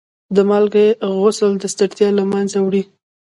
د مالګې غسل د ستړیا له منځه وړي.